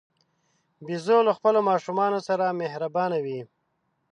بیزو له خپلو ماشومانو سره مهربانه وي.